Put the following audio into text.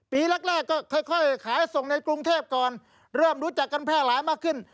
ปีแรกก็ค่อยขายส่งในกรุงเทพก่อนเริ่มรู้จักกันแพร่หลายมากขึ้น